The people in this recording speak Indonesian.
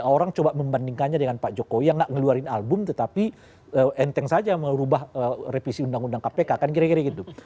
orang coba membandingkannya dengan pak jokowi yang nggak ngeluarin album tetapi enteng saja merubah revisi undang undang kpk kan kira kira gitu